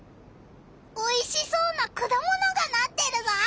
おいしそうなくだものがなってるぞ！